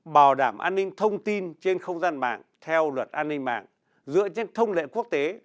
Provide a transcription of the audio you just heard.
bảo đảm an ninh thông tin trên không gian mạng theo luật an ninh mạng dựa trên thông lệ quốc tế